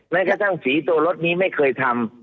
แม้กระทั่งสีตัวรถนี้ไม่เคยทำ